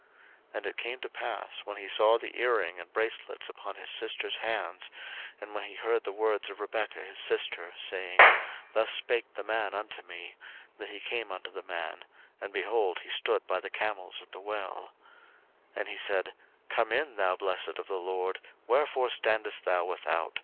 01:024:030 And it came to pass, when he saw the earring and bracelets upon his sister's hands, and when he heard the words of Rebekah his sister, saying, Thus spake the man unto me; that he came unto the man; and, behold, he stood by the camels at the well. 01:024:031 And he said, Come in, thou blessed of the LORD; wherefore standest thou without?